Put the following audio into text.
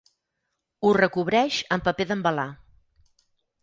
Ho recobreix amb paper d'embalar.